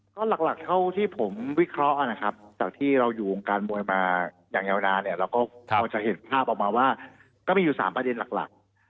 ก็หลักเท่าที่ผมวิเคราะห์นะครับจากที่เราอยู่วงการมวยมาอย่างยาวนานเนี่ยเราก็พอจะเห็นภาพออกมาว่าก็มีอยู่๓ประเด็นหลัก